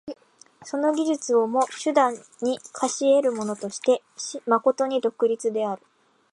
その技術をも手段に化し得るものとして真に独立である。